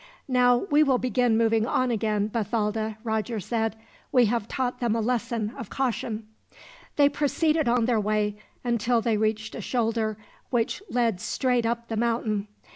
"Now we will be moving on again, Bathalda," Roger said. "We have taught them a lesson of caution." They proceeded on their way, until they reached a shoulder which led straight up the mountain.